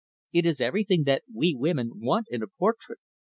It has everything that we women want in a portrait.